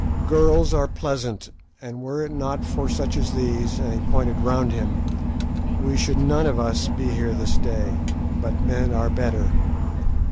Girls are pleasant, and were it not for such as these," and he pointed round him, "we should none of us be here this day; but men are better.